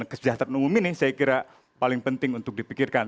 kesejahteraan umum ini saya kira paling penting untuk dipikirkan